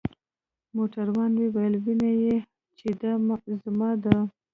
موټروان وویل: وینې يې؟ چې دا زما ده.